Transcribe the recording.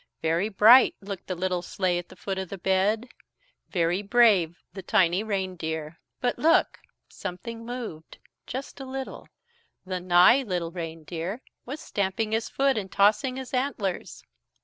Very bright looked the little sleigh at the foot of the bed, very brave the tiny reindeer. But look! Something moved just a little. The "nigh" little reindeer was stamping his foot and tossing his antlers.